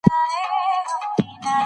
د دولت چلند د کلیسا نظریو سره سمون لري.